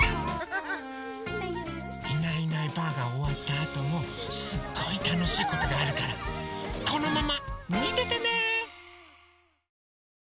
「いないいないばあっ！」がおわったあともすっごいたのしいことがあるからこのままみててね！